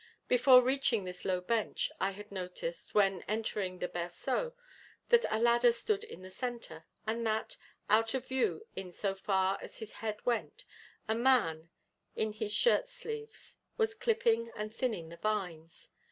Before reaching this low bench, I had noticed, when entering the berceau, that a ladder stood in the centre; and that, out of view in so far as his head went, a man, in his shirt sleeves, was clipping and thinning the vines.